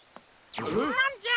なんじゃ？